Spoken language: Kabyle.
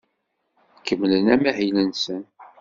Kemmlen amahil-nsen.